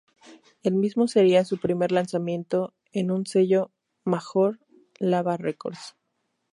El mismo sería su primer lanzamiento en un sello "major", Lava Records.